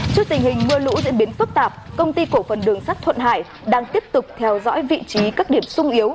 trước tình hình mưa lũ diễn biến phức tạp công ty cổ phần đường sắt thuận hải đang tiếp tục theo dõi vị trí các điểm sung yếu